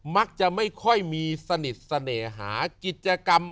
มักจะไม่ค่อยมีสนิทเสน่หากิจกรรม